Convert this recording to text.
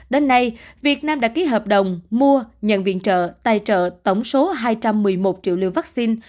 đến nay việt nam đã ký hợp đồng mua nhận viện trợ tài trợ tổng số hai trăm một mươi một triệu liều vaccine